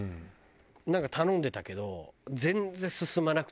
なんか頼んでたけど全然進まなくて。